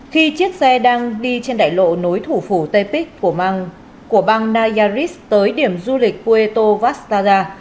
khi chiếc xe đang đi trên đại lộ nối thủ phủ tepic của bang nayas tới điểm du lịch puerto vastagra